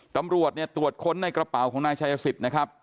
ตำรวจเนี่ยตรวจค้นในกระเป๋าของนายชายสิทธิ์นะครับ